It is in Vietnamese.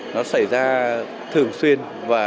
nó xảy ra thường xuyên